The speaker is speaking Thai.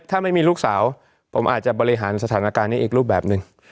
ถ้าไม่มีลูกสาวผมอาจจะบริหารสถานการณ์นี้อีกรูปแบบหนึ่ง